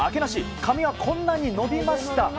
髪はこんなに伸びました。